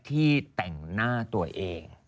ที่แต่งหน้าตัวเอง